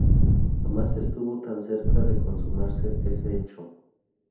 Jamás estuvo tan cerca de consumarse ese hecho.